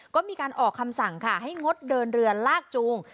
ก็มีการออกคำสั่งค่ะให้งดเดินเรือลากจูง